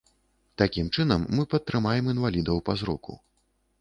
Такім чынам мы падтрымаем інвалідаў па зроку.